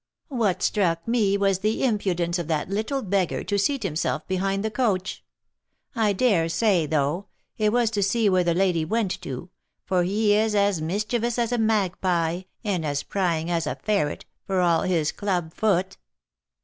What struck me was the impudence of that little beggar to seat himself behind the coach. I dare say, though, it was to see where the lady went to, for he is as mischievous as a magpie, and as prying as a ferret, for all his club foot."